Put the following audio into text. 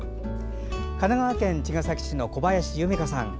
神奈川県茅ヶ崎市の小林夢加さん。